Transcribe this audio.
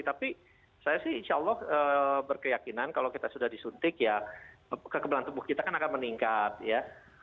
tapi saya sih insya allah berkeyakinan kalau kita sudah disuntik ya kekebalan tubuh kita kan akan meningkat ya